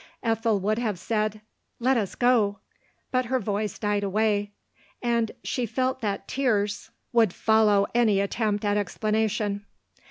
Ethel would have said, "Let usgoT but her voice died away, and she felt that tears would 296 LODORE. follow any attempt at explanation.